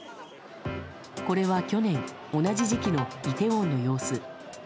これは去年同じ時期のイテウォンの様子。